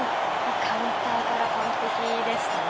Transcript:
カウンターから完璧でしたね。